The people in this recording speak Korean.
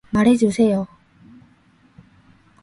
말해주세요.